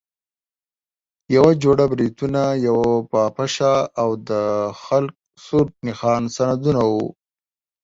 یوه جوړه بریتونه، یوه پاپشه او د خلق سور نښان سندونه وو.